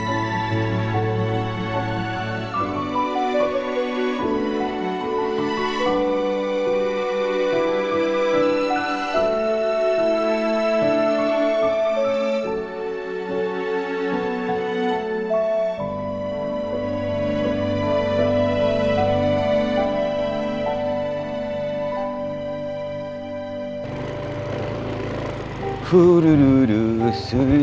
apa yang udah ada di sini